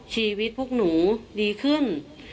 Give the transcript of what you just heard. ชีวิตพวกหนูดีขึ้น